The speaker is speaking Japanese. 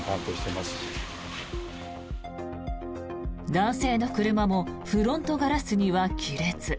男性の車もフロントガラスには亀裂。